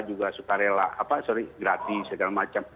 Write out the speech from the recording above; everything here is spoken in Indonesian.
apa juga sukarela apa sorry gratis segala macam